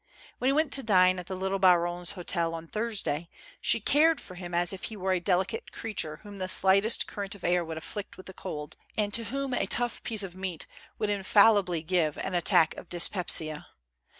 When he went to dine at the little baronne's hotel, 298 THE FAST. on Thursday, she cared for him as if he were a delicate creature whom the slightest current of air would afflict with a cold, and to whom a tough piece of meat would infallibly give an attack of dyspepsia.